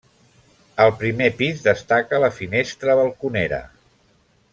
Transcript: Al primer pis destaca la finestra balconera.